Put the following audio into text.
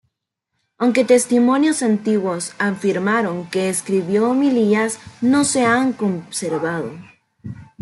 Aunque testimonios antiguos afirman que escribió homilías, no se han conservado.